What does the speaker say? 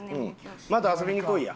また遊びに来いや。